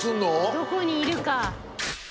どこにいるか。